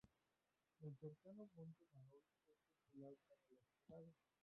El cercano Monte Maroon es popular para la escalada.